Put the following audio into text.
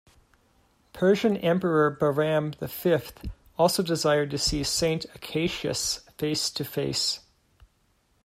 Persian Emperor Bahram the Fifth also desired to see Saint Acacius face-to-face.